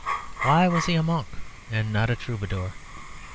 Why was he a monk, and not a troubadour?